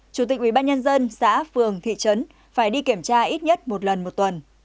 chủ tịch ubnd xã phường thị trấn phải đi kiểm tra ít nhất một lần một tuần